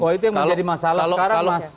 oh itu yang menjadi masalah sekarang mas